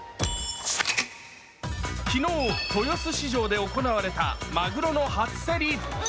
昨日、豊洲市場で行われたまぐろの初競り。